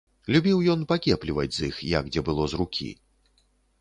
Любіў ён пакепліваць з іх, як дзе было з рукі.